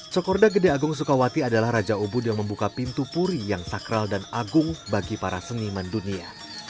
cokorda gede agung sukawati adalah raja ubud yang membuka pintu puri yang sakral dan agung bagi para seniman dunia